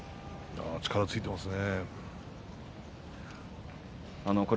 力がついていますね。